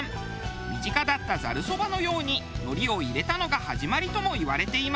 身近だったざるそばのように海苔を入れたのが始まりともいわれています。